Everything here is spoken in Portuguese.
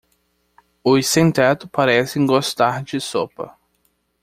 Os sem-teto parecem gostar de sopa.